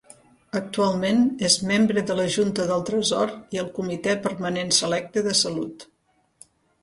Actualment és membre de la Junta del Tresor i el Comitè Permanent Selecte de Salut.